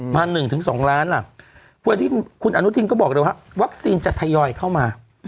มา๑๒ล้านล่ะวันนี้คุณอนุทินก็บอกเลยว่าวัคซีนจะทยอยเข้ามา